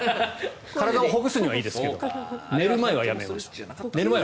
体をほぐすにはいいですけど寝る前はやめましょう。